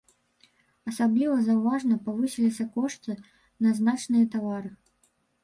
Асабліва заўважна павысіліся кошты на значныя тавары.